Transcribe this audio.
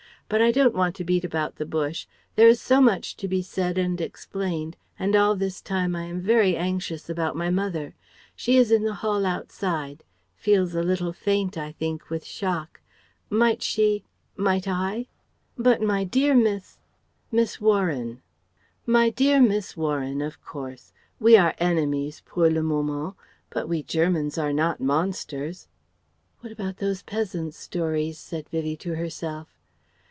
But I don't want to beat about the bush: there is so much to be said and explained, and all this time I am very anxious about my mother. She is in the hall outside feels a little faint I think with shock might she might I?" "But my dear Miss ?" "Miss Warren " "My dear Miss Warren, of course. We are enemies pour le moment but we Germans are not monsters. ("What about those peasants' stories?" said Vivie to herself.)